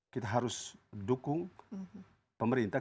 kita harus dukung pemerintah